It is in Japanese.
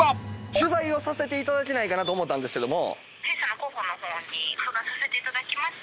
取材をさせていただけないかなと思ったんですけども。